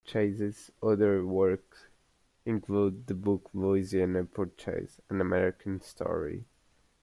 Chase's other works include the book Louisiana Purchase: an American Story.